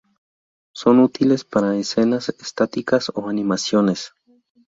Son útiles para escenas estáticas o animaciones.